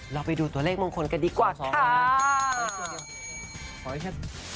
เราไปดูตัวเลขมงคลกันดีกว่าสองล้าน